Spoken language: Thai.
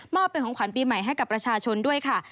เป็นของขวัญปีใหม่ให้กับประชาชนด้วยค่ะ